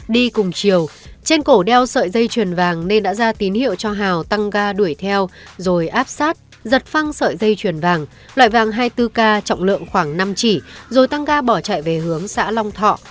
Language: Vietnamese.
đi cùng chiều trên cổ đeo sợi dây chuyền vàng nên đã ra tín hiệu cho hào tăng ga đuổi theo rồi áp sát giật phăng sợi dây chuyền vàng loại vàng hai mươi bốn k trọng lượng khoảng năm chỉ rồi tăng ga bỏ chạy về hướng xã long thọ